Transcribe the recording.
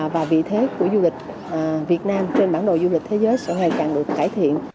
và vị thế của du lịch việt nam trên bản đồ du lịch thế giới sẽ ngày càng được cải thiện